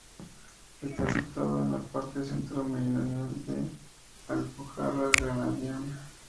Está situado en la parte centro-meridional de la Alpujarra Granadina.